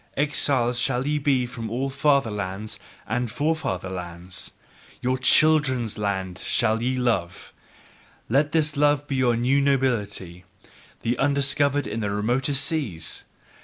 Exiles shall ye be from all fatherlands and forefather lands! Your CHILDREN'S LAND shall ye love: let this love be your new nobility, the undiscovered in the remotest seas!